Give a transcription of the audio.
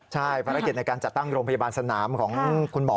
ใช่ภารกิจในการจัดตั้งโรงพยาบาลสนามของคุณหมอ